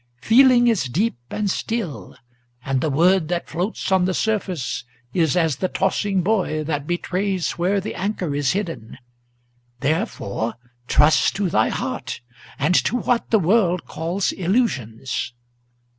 Feeling is deep and still; and the word that floats on the surface Is as the tossing buoy, that betrays where the anchor is hidden. Therefore trust to thy heart, and to what the world calls illusions.